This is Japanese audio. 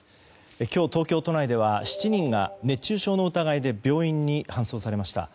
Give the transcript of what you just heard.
今日、東京都内では７人が熱中症の疑いで病院に搬送されました。